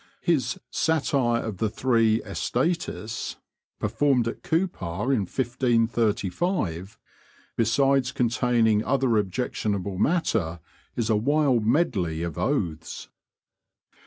His 'Satyre of the Three Estaitis,' performed at Coupar in 1535, besides containing other objectionable matter, is a wild medley of oaths.